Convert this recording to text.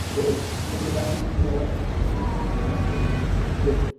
প্রিয়াঙ্কা গান্ধীর স্বামী রবার্ট ভদ্রের তীব্র সমালোচনাসূচক একটি ভিডিওচিত্র প্রকাশ করেছে বিজেপি।